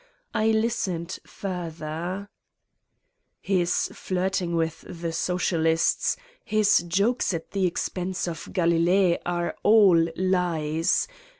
I listened further: "His flirting with the Socialists, his jokes at the expense of Galilee are all lies.